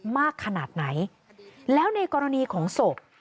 มากขนาดไหนแล้วในกรณีของศพ